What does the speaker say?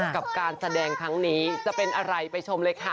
กับการแสดงครั้งนี้จะเป็นอะไรไปชมเลยค่ะ